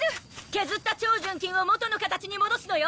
削った超純金を元の形に戻すのよ。